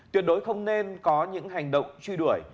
tuyệt đối không nên có những hành động truy đuổi